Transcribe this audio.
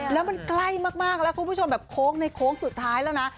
แล้วมันใกล้มากแล้วคุณผู้ชมแบบโค้งในโค้งสุดท้ายแล้วนะ